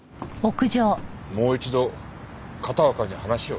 もう一度片岡に話を？